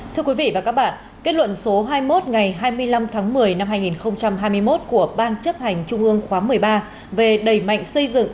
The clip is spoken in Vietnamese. thưa quý vị và các bạn kết luận số hai mươi một ngày hai mươi năm tháng một mươi năm hai nghìn hai mươi một của ban chấp hành trung ương khóa một mươi ba về đẩy mạnh xây dựng